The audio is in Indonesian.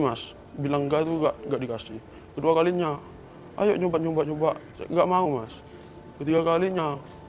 mas bilang enggak juga gak dikasih dua kalinya ayo nyoba nyoba nyoba enggak mau mas ketiga kalinya